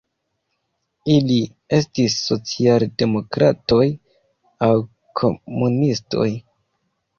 Ili estis socialdemokratoj aŭ komunistoj.